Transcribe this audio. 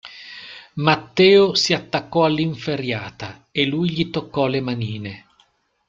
Matteo si attaccò all'inferriata e lui gli toccò le manine.